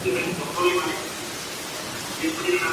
Este problema puede resolverse disminuyendo el largo del cable.